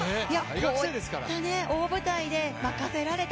こういった大舞台で任せられた